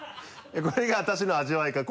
これが私の味わい方。